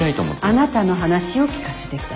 あなたの話を聞かせて下さい。